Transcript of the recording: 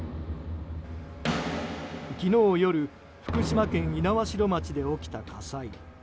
昨日夜福島県猪苗代町で起きた火災。